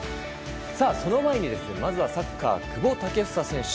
その前に、まずはサッカー久保建英選手。